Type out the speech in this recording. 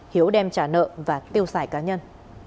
hiếu đem trả nợ và tiêu xài cá nhân